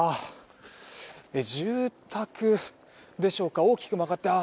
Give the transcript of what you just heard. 住宅でしょうか大きく曲がって。